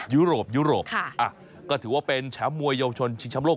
ยุโรปค่ะอ่ะก็ถือว่าเป็นแชมป์โมยโยชนชิงช้ำโลก